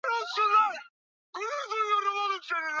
changanya maji n sukari kwaajili ya juisi yaviazi lishe